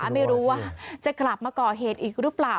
ไม่รู้ว่าจะกลับมาก่อเหตุอีกหรือเปล่า